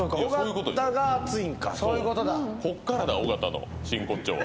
「こっからだ尾形の真骨頂は」